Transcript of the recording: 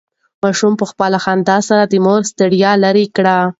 ماشوم په خپله خندا سره د مور ستړیا لرې کړه.